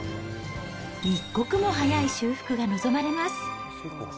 一刻も早い修復が望まれます。